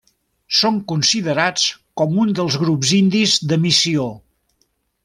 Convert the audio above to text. Són considerats com un dels grups indis de missió.